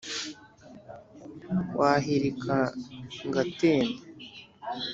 wahilika ngatemba